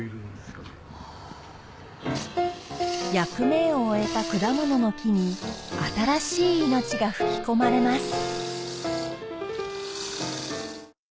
役目を終えた果物の樹に新しい命が吹き込まれます！